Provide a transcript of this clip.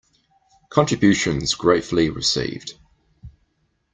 Contributions gratefully received